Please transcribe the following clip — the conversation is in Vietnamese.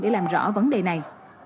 để làm rõ vấn đề này